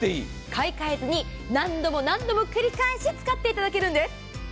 買い替えずに何回も何回も使っていただけるんです。